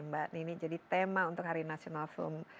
mbak nini jadi tema untuk hari national film